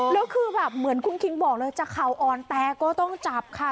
แล้วคือแบบเหมือนคุณคิงบอกเลยจะเข่าอ่อนแต่ก็ต้องจับค่ะ